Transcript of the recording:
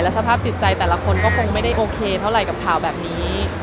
สภาพจิตใจแต่ละคนก็คงไม่ได้โอเคเท่าไหร่กับข่าวแบบนี้